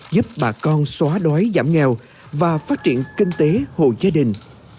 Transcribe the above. giúp bà con xóa đói giảm nghèo và phát triển kinh tế hộ gia đình